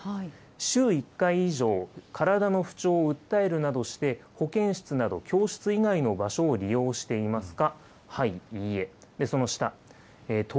週１回以上、体の不調を訴えるなどして、保健室など教室以外の場所を利用していますか。